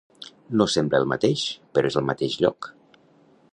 No sembla el mateix, però és al mateix lloc.